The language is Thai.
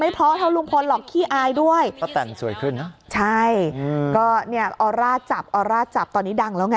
ไม่พอเท่าลุงพนรอกขี้อายด้วยป้าแตนสวยขึ้นใช่ก็เนี่ยต่อนี้